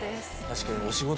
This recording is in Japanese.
確かに。